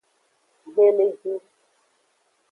Gbeleju.